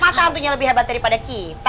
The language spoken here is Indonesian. mata hantunya lebih hebat daripada kita